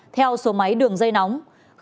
theo số máy đường dây nóng